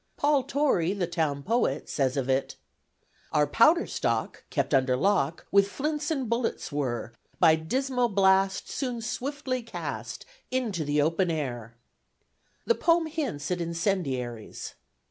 Paul Torrey, the town poet, says of it: Our powder stock, kept under lock, With flints and bullets were By dismal blast soon swiftly cast Into the open air. The poem hints at incendiaries.